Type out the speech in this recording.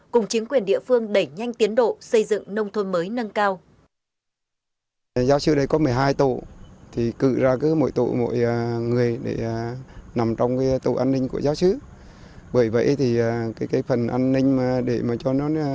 cùng chính quyền địa phương đẩy nhanh tiến độ xây dựng nông thôn mới nâng cao